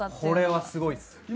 これはすごいです。